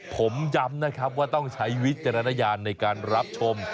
ผมย้ำนะครับว่าต้องใช้วิจารณญาณในการรับชม